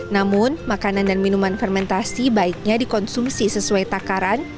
namun makanan dan minuman fermentasi baiknya dikonsumsi sesuai takaran